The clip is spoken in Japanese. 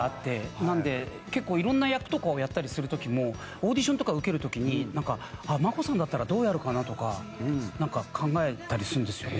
なので結構いろんな役とかをやったりする時もオーディションとか受ける時になんかマコさんだったらどうやるかな？とかなんか考えたりするんですよね。